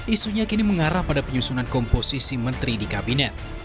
isunya kini mengarah pada penyusunan komposisi menteri di kabinet